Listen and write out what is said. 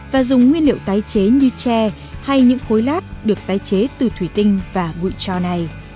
và dùng nguyên liệu tái chế như tre hay những khối lát được tái chế từ thủy tinh và bụi trò này